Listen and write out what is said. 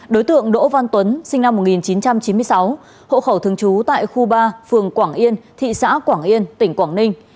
đối tượng đỗ văn tuấn sinh năm một nghìn chín trăm chín mươi sáu hộ khẩu thường trú tại khu ba phường quảng yên thị xã quảng yên tỉnh quảng ninh